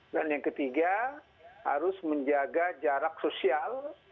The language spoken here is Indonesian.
dan yang ketiga harus menjaga jarak sosial